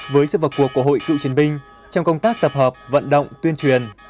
với sự vào cuộc của hội cựu chiến binh trong công tác tập hợp vận động tuyên truyền